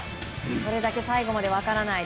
それだけ最後まで分からない。